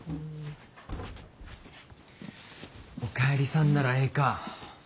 おかえりさんならええか。